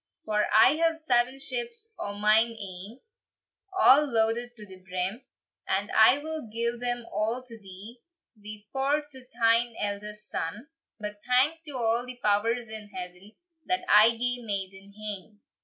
"For I have seven ships o mine ain, A' loaded to the brim, And I will gie them a' to thee Wi four to thine eldest son: But thanks to a' the powers in heaven That I gae maiden hame!"